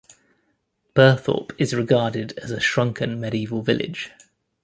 Birthorpe is regarded as a shrunken medieval village.